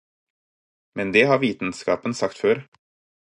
Men det har vitenskapen sagt før.